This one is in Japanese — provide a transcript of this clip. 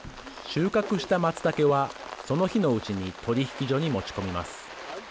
収穫した、まつたけはその日のうちに取引所に持ち込みます。